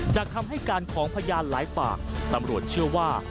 คำให้การของพยานหลายปากตำรวจเชื่อว่า